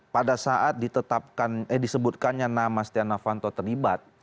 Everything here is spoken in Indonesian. pada saat ditetapkan eh disebutkannya nama setia novanto terlibat